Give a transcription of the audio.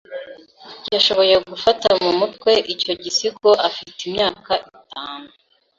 Yashoboye gufata mu mutwe icyo gisigo afite imyaka itanu.